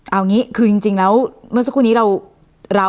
เอางี้คือจริงแล้วเมื่อสักครู่นี้เรา